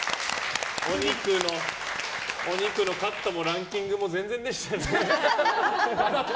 お肉のカットもランキングも全然でしたね。